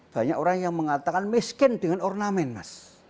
banyak orang yang mengatakan miskin dengan ornamen mas